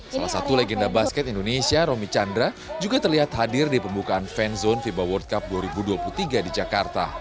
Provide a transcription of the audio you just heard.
salah satu legenda basket indonesia romy chandra juga terlihat hadir di pembukaan fan zone fiba world cup dua ribu dua puluh tiga di jakarta